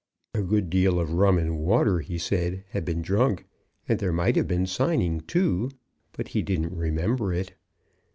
A good deal of rum and water, he said, had been drunk; and there might have been signing too, but he didn't remember it.